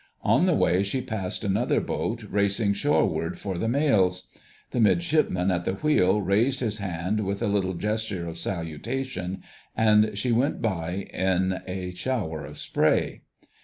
On the way she passed another boat racing shoreward for the mails. The Midshipman at the wheel raised his hand with a little gesture of salutation, and she went by in a shower of spray.